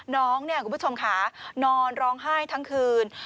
น้องเนี่ยคุณผู้ชมค่ะนอนร้องไห้ทั้งคืน